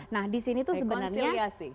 nah di sini tuh sebenarnya